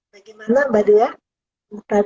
bagaimana mbak dua